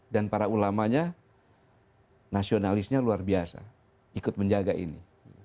dan para ulamanya nasionalisnya luar biasa ikut menjaga ini